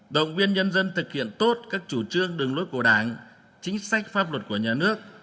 động viên nhân dân thực hiện tốt các chủ trương đường lối của đảng chính sách pháp luật của nhà nước